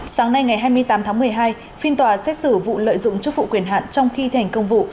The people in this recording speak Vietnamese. sáng nay ngày hai mươi tám tháng một mươi hai phiên tòa xét xử vụ lợi dụng chức vụ quyền hạn trong khi thành công vụ